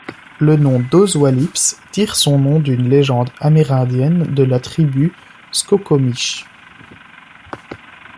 Le nom Dosewallips tire son nom d'une légende amérindienne de la tribu Skokomish.